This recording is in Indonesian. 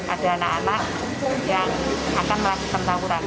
ada anak anak yang akan melakukan tawuran